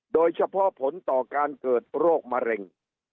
โดยเฉพาะผลต่อการเกิดโรคมะเร็ง